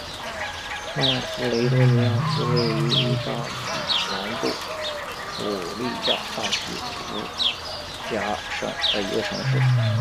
曼弗雷多尼亚是位于义大利南部普利亚大区福贾省的一个城市。